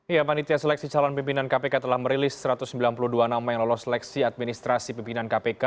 ya panitia seleksi calon pimpinan kpk telah merilis satu ratus sembilan puluh dua nama yang lolos seleksi administrasi pimpinan kpk